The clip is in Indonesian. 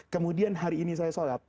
kemudian hari ini saya sholat